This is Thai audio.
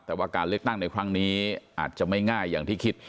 แต่ว่าการเลือกตั้งในครั้งนี้อาจจะไม่ง่ายอย่างที่คิด